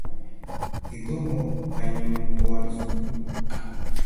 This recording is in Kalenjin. kitomo anyoo, kowolu Shuju